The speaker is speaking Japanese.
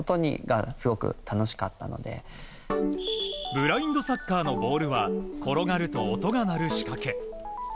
ブラインドサッカーのボールは転がると音が鳴る仕掛け。